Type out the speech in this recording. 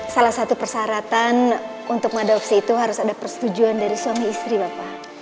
salah satu persyaratan untuk mengadopsi itu harus ada persetujuan dari suami istri bapak